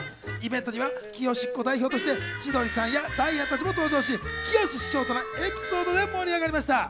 イベントにはきよしっ子代表として千鳥やダイアンたちも登場して、きよし師匠とのエピソードで盛り上がりました。